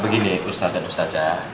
begini ustadz dan ustazah